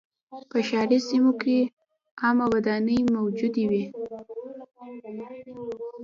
په ښاري سیمو کې عامه ودانۍ موجودې وې.